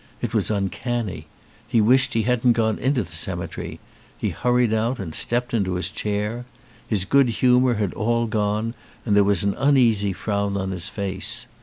It was uncanny. He wished he hadn't gone into that cemetery; he hurried out and stepped into his chair. His good humour had all gone and there was an uneasy frown on his face.